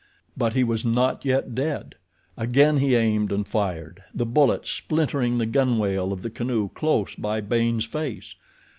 But he was not yet dead. Again he aimed and fired, the bullet splintering the gunwale of the canoe close by Baynes' face.